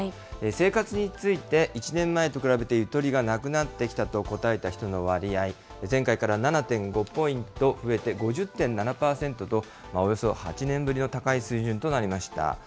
生活について１年前と比べてゆとりがなくなってきたと答えた人の割合、前回から７．５ポイント増えて５０．７％と、およそ８年ぶりの高い水準となりました。